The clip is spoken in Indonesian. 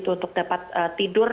untuk dapat tidur